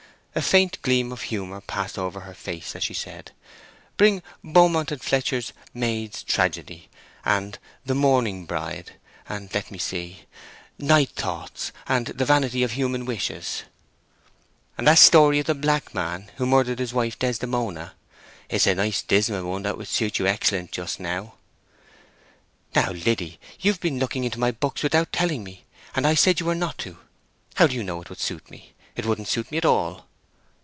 A faint gleam of humour passed over her face as she said: "Bring Beaumont and Fletcher's Maid's Tragedy, and the Mourning Bride, and—let me see—Night Thoughts, and the Vanity of Human Wishes." "And that story of the black man, who murdered his wife Desdemona? It is a nice dismal one that would suit you excellent just now." "Now, Liddy, you've been looking into my books without telling me; and I said you were not to! How do you know it would suit me? It wouldn't suit me at all."